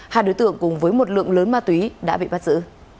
hai đối tượng cùng với một lượng lớn ma túy đã bị bắt giữ